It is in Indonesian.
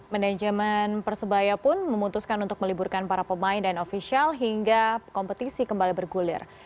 manajemen persebaya pun memutuskan untuk meliburkan para pemain dan ofisial hingga kompetisi kembali bergulir